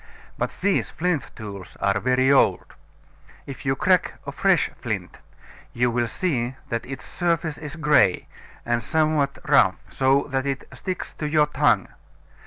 But these flint tools are very old. If you crack a fresh flint, you will see that its surface is gray, and somewhat rough, so that it sticks to your tongue.